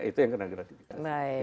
itu yang kena gratifikasi